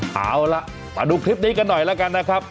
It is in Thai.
เอาล่ะมาดูคลิปนี้กันหน่อยแล้วกันนะครับ